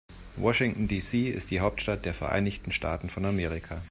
Washington, D.C. ist die Hauptstadt der Vereinigten Staaten von Amerika.